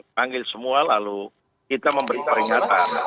panggil semua lalu kita memberi peringatan